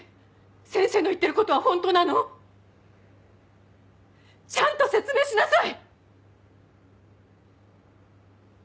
先生の言ってることは本当なの⁉ちゃんと説明しなさい！